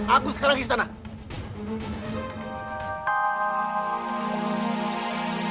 aku sekarang ke istana